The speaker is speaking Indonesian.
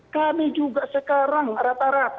kami juga sekarang rata rata hakim karir itu sudah dokter